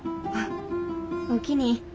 あっおおきに。